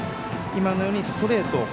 今のようにストレート